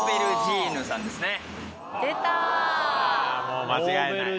あもう間違いない。